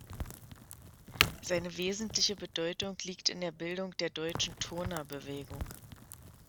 Seine wesentliche Bedeutung liegt in der Bildung der deutschen Turnerbewegung.